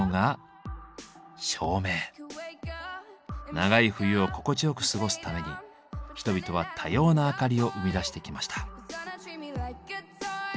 長い冬を心地よく過ごすために人々は多様な明かりを生み出してきました。